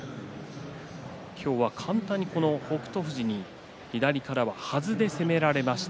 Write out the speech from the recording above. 簡単に北勝富士に左からはずで攻められました。